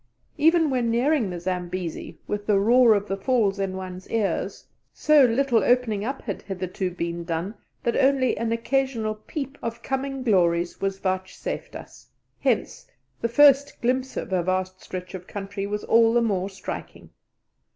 Even when nearing the Zambesi, with the roar of the Falls in one's ears, so little opening up had hitherto been done that only an occasional peep of coming glories was vouchsafed us; hence the first glimpse of a vast stretch of country was all the more striking.